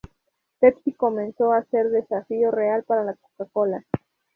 Pepsi comenzó a ser un desafío real para la Coca-Cola.